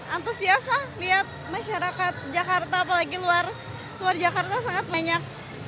antusias lihat masyarakat jakarta apalagi luar jakarta sangat banyak